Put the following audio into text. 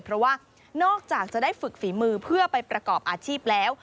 เพราะว่านอกจากจะได้ฝึกฝีมือเพื่อไปประกอบอาชีพแล้ว